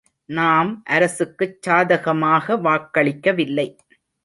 நாம் அரசுக்குச் சாதகமாக வாக்களிக்கவில்லை.